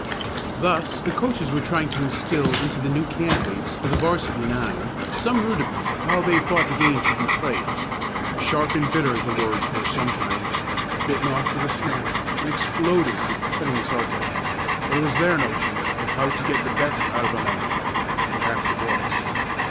Thus the coaches were trying to instill into the new candidates for the 'varsity nine some rudiments of how they thought the game should be played. Sharp and bitter the words were sometimes, bitten off with a snap and exploded with cutting sarcasm, but it was their notion of how to get the best out of a man, and perhaps it was.